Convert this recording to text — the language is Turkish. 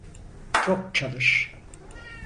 Çok çalış.